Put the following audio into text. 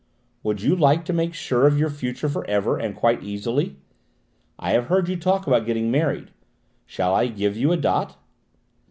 Would you like to make sure of your future for ever, and quite easily? I have heard you talk about getting married. Shall I give you a dot?